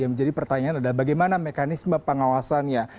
yang menjadi pertanyaan adalah bagaimana mekanisme pengawasannya